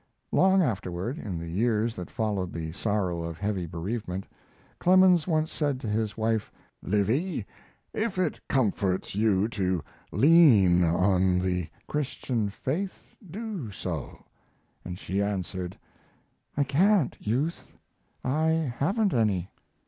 Long afterward, in the years that followed the sorrow of heavy bereavement, Clemens once said to his wife, "Livy, if it comforts you to lean on the Christian faith do so," and she answered, "I can't, Youth. I haven't any."